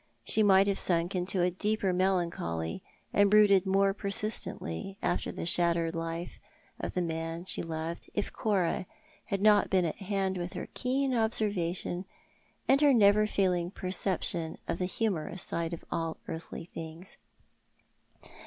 She might have sunk into a deeper melancholy and brooded more pcr.sistently over the shattered life of the man she loved if Cora had not been at hand with her keen observation and her never failing perception of the humorous side of all earthly things.